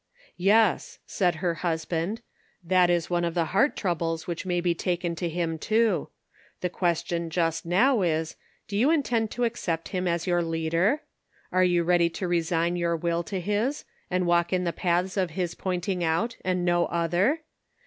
" Yes," said her husband ;" that is one of the heart troubles which may be taken to him, too. The question just now is: Do you intend to accept Him as your leader? Are you ready to resign your will to his, and walk in the paths of his pointing out, and no other